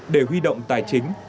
để huy động tài chính